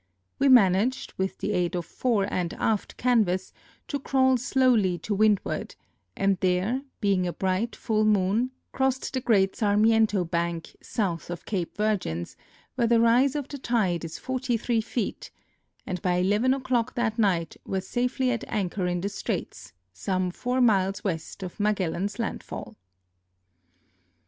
We managed, with the aid of fore and aft canvas, to crawl slowly to windward, and, there being a bright, full moon, crossed the great Sarmiento bank, south of Cape Virgins, where the rise of the tide is 43 feet, and by 11 o'clock that night were safely at anchor in the straits, some four miles west of Magellan's landfall.